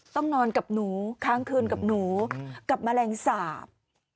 ต้องนอนกับหนูค้างคืนกับหนูกับแมลงสาป